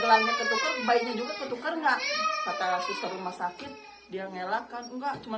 gelangnya ketukar baiknya juga ketukar enggak kata sesteri mas sakit dia ngelakkan enggak cuma